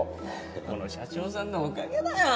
この社長さんのおかげだよ